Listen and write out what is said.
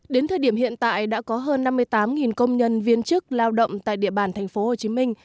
đến thời điểm hiện tại đã có hơn năm mươi tám công nhân viên chức lao động tại địa bàn tp hcm